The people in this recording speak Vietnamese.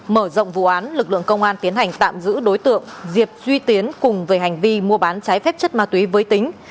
mở rộng vụ án lực lượng công an tiến hành tạm giữ đối tượng diệp duy tiến cùng về hành vi mua bán trái phép chất ma túy với tính